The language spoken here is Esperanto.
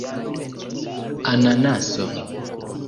ananaso